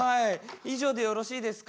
以上でよろしいですか？